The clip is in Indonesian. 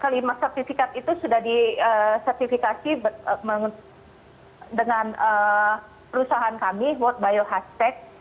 kelima sertifikat itu sudah disertifikasi dengan perusahaan kami world bio hashtag